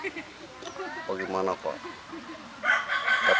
tapi ya kalau cuma siapa punya mau